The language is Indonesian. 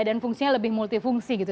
dan fungsinya lebih multifungsi gitu